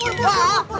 hati hati atuh pur